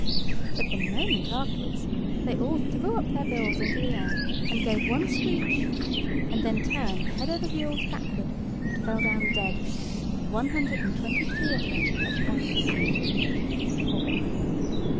But the moment afterwards, they all threw up their bills into the air, and gave one screech; and then turned head over heels backward, and fell down dead, one hundred and twenty three of them at once. For why?